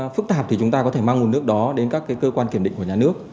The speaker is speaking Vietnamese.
phức tạp thì chúng ta có thể mang nguồn nước đó đến các cơ quan kiểm định của nhà nước